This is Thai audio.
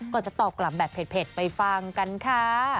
ก็จะตอบกลับแบบเผ็ดไปฟังกันค่ะ